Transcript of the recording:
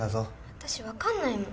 私わかんないもん。